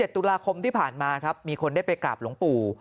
ตุลาคมที่ผ่านมาครับมีคนได้ไปกราบหลวงปู่